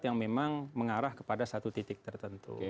yang memang mengarah kepada satu titik tertentu